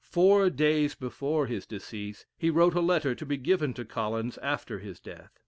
Four days before his decease, he wrote a letter to be given to Collins after his death.